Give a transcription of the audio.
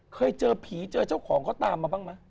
เคยเจอผีเจอเจ้าของเขาตามมาบ้างไหม